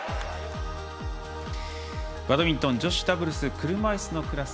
バドミントン女子ダブルス車いすのクラス